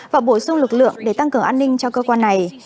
và bổ sung lực lượng để tăng cường an ninh cho cơ quan này